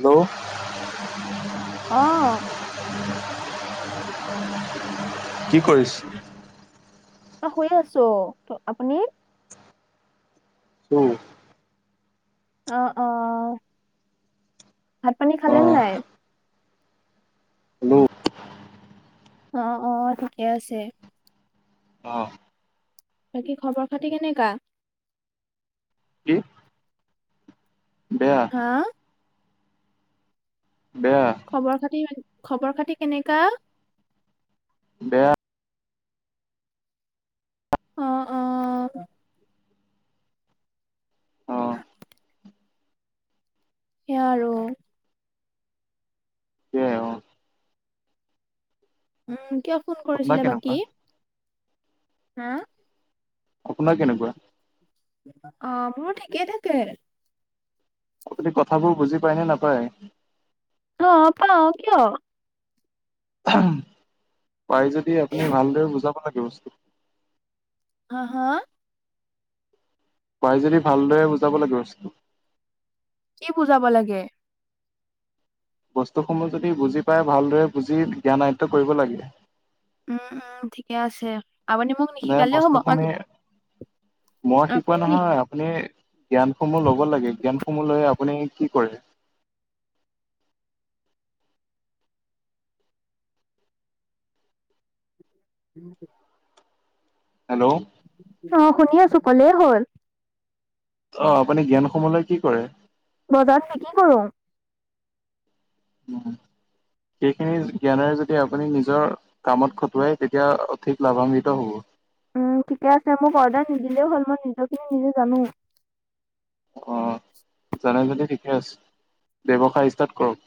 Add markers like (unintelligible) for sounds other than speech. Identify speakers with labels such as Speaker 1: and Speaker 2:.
Speaker 1: Hello.
Speaker 2: অ'।
Speaker 1: কি কৰিছ?
Speaker 2: অ', শুই আছো, আপুনি?
Speaker 1: উম।
Speaker 2: অ', অ'। ভাত, পানী খালে নে নাই?
Speaker 1: হেল্ল'
Speaker 2: অ', অ', ঠিকে আছে।
Speaker 1: অ'।
Speaker 2: বাকী খবৰ খাতি কেনেকা?
Speaker 1: কি বেয়া।
Speaker 2: হা?
Speaker 1: বেয়া।
Speaker 2: খবৰ খাতি, খবৰ খাতি কেনেকা?
Speaker 1: বেয়া
Speaker 2: অ', অ'।
Speaker 1: অ
Speaker 2: (inaudible) সেইয়া আৰু।
Speaker 1: সেইয়া অ'।
Speaker 2: উম, কিয় ফোন
Speaker 1: আপোনাৰ
Speaker 2: কৰিছিলে
Speaker 1: কেনেকুৱা
Speaker 2: বাকী? হা,
Speaker 1: আপোনাৰ কেনেকুৱা
Speaker 2: অ' মোৰ ঠিকেই থাকে।
Speaker 1: আপুনি কথাবোৰ বুজি পায়নে নাপায়?
Speaker 2: অ', পাওঁ কিয়?
Speaker 1: পাই যদি আপুনি ভালদৰে বুজাব লাগে বস্তুটো।
Speaker 2: হা, হা?
Speaker 1: পাই যদি ভালদৰে বুজাব লাগে বস্তুটো।
Speaker 2: কি বুজাব লাগে?
Speaker 1: বস্তুসমূহ যদি বুজি পাই, ভালদৰে বুজি জ্ঞান আয়ত্ব কৰিব লাগে।
Speaker 2: উম, উম, ঠিকে আছে আপুনি মোক
Speaker 1: নাই
Speaker 2: নিশিকালেও হ'ব
Speaker 1: বস্তুখিনি মই শিকোৱা
Speaker 2: আপুনি নি-
Speaker 1: নহয়, আপুনি জ্ঞান সমূহ লব ল'ব লাগে, জ্ঞানসমূহ লৈ আপুনি কি কৰে?
Speaker 2: (inaudible)
Speaker 1: হেল্ল'।
Speaker 2: অ', শুনি আছোঁ, কলেই হ'ল।
Speaker 1: অ', আপুনি জ্ঞান সমূহ লৈ কি কৰে?
Speaker 2: বজাৰত (unintelligible) কৰো।
Speaker 1: সেইখিনি জ্ঞানেৰে যদি আপুনি নিজৰ, কামত খটুৱাই, তেতিয়া অঠিক লাভাম্বিত হ'ব।
Speaker 2: উম, ঠিকে আছে মোক অৰ্ডাৰ নিদিলেও হ'ল মই নিজৰখিনি নিজে জানোঁ।
Speaker 1: অ', জানে যদি ঠিকে আছে, ব্যৱসায় ষ্টাৰ্ট কৰক।